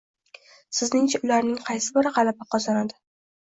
Sizningcha, ularning qaysi biri gʻalaba qozonadi